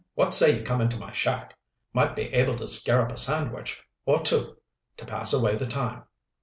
What say you come into my shack? Might be able to scare up a sandwich or two to pass away the time."